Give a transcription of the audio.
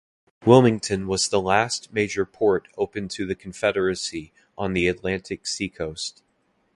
Wilmington was the last major port open to the Confederacy on the Atlantic seacoast.